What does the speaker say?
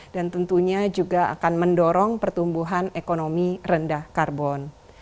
dan tentunya juga akan mendorong pertumbuhan ekonomi rendah karbon